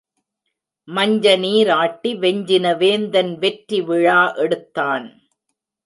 மஞ்சனநீர் ஆட்டி வெஞ்சின வேந்தன் வெற்றி விழா எடுத்தான்.